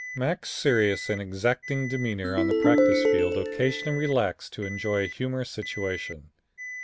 "Mac's serious and exacting demeanor on the practice field occasionally relaxed to enjoy a humorous situation.